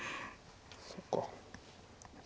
そっか。